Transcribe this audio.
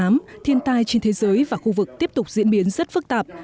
năm hai nghìn một mươi tám thiên tai trên thế giới và khu vực tiếp tục diễn biến rất phức tạp